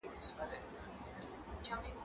لوښي د مور له خوا وچول کيږي!؟